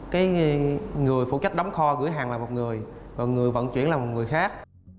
cái người phụ trách đóng kho gửi hàng là một người còn người vận chuyển là một người khác